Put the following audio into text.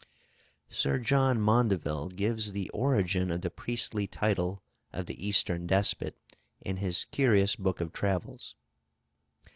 Sir John Maundevil gives the origin of the priestly title of the Eastern despot, in his curious book of travels.